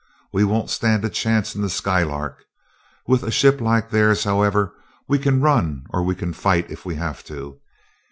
We won't stand a chance in the Skylark. With a ship like theirs, however, we can run or we can fight, if we have to.